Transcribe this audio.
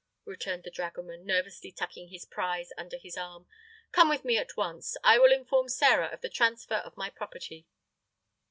returned the dragoman, nervously tucking his prize under his arm. "Come with me at once. I will inform Sĕra of the transfer of my property."